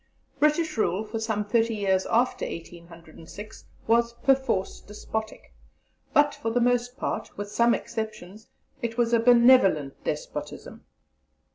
British rule for some thirty years after 1806 was perforce despotic, but for the most part, with some exceptions, it was a benevolent despotism.